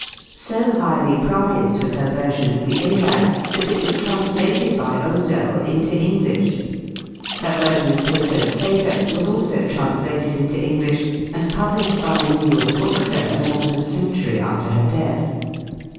So highly prized was her version of the Iliad that it was translated by Ozell into English. Her version of Plato's Phædo was also translated into English and published by a New York bookseller more than a century after her death.